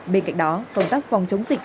bên cạnh đó công tác phòng chống dịch